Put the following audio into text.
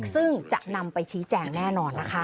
ซึ่งจะนำไปชี้แจงแน่นอนนะคะ